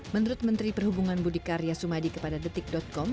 menurut menteri perhubungan budi karya sumadi kepada detik com